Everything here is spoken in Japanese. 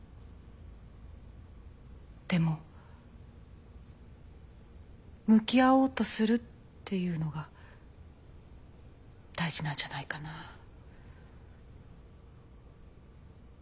でも向き合おうとするっていうのが大事なんじゃないかなあ。